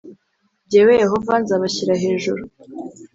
Jyewe Yehova nzabashyira hejuru